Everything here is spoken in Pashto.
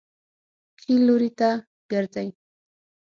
ښي لوري ته ګرځئ